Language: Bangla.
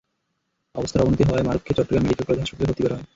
অবস্থার অবনতি হওয়ায় মারুফকে চট্টগ্রাম মেডিকেল কলেজ হাসপাতালে ভর্তি করা হয়।